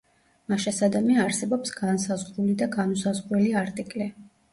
მაშასადამე არსებობს განსაზღვრული და განუსაზღვრელი არტიკლი.